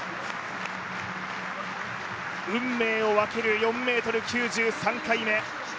運命を分ける４ｍ９０３回目。